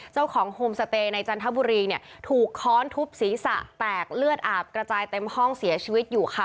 โฮมสเตย์ในจันทบุรีเนี่ยถูกค้อนทุบศีรษะแตกเลือดอาบกระจายเต็มห้องเสียชีวิตอยู่ค่ะ